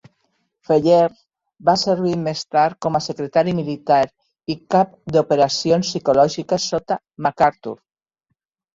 Fellers va servir més tard com a secretari militar i cap d'operacions psicològiques sota MacArthur.